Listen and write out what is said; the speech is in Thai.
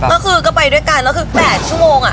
ก็คือก็ไปด้วยกันแล้วคือ๘ชั่วโมง